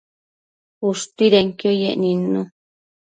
ushtuidenquio yec nidnu